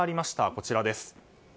こちらです。